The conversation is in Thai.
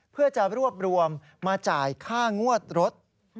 เพื่อจะรวบรวมมาจ่ายค่างวดรถ